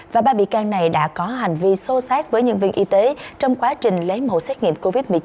và ba bị can này đã có hành vi sô sát với nhân viên y tế trong quá trình lấy mẫu xét nghiệm covid một mươi chín